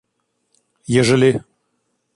ежели